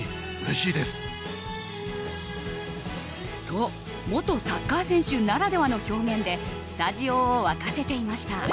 と、元サッカー選手ならではの表現でスタジオを沸かせていました。